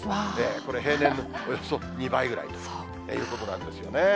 これ、平年のおよそ２倍ぐらいということなんですよね。